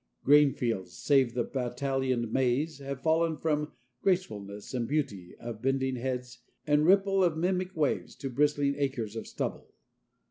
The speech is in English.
Grain fields, save the battalioned maize, have fallen from gracefulness and beauty of bending heads and ripple of mimic waves to bristling acres of stubble.